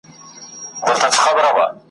جلا لا به را ژوندۍ کي !.